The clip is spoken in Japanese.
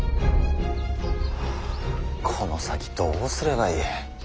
この先どうすればいい。